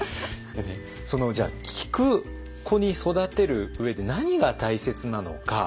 その聞く子に育てる上で何が大切なのか。